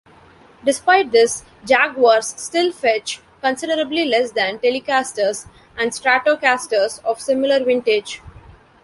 Despite this, Jaguars still fetch considerably less than Telecasters and Stratocasters of similar vintage.